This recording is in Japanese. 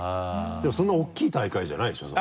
でもそんな大きい大会じゃないでしょ？